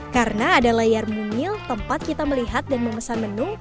karena ada layar mumil tempat kita melihat dan memesan menu